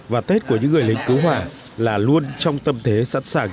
và tết của những người lính cứu hỏa là luôn trong tâm thế sẵn sàng